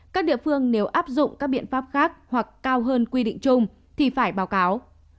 các địa phương nếu áp dụng các biện pháp khác hoặc cao hơn quy định chung thì phải báo cáo